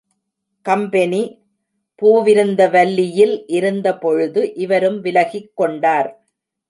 Company பூவிருந்தவல்லியில் இருந்த பொழுது இவரும் விலகிக் கொண்டார்.